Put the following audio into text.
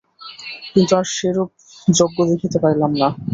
কিন্তু আর সেরূপ যজ্ঞ দেখিতে পাইলাম না।